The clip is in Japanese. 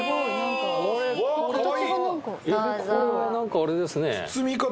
かわいいこれは何かあれですね